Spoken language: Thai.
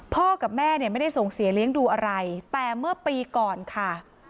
กับแม่เนี่ยไม่ได้ส่งเสียเลี้ยงดูอะไรแต่เมื่อปีก่อนค่ะ